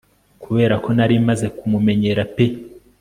kubera ko nari maze kumumenyera pe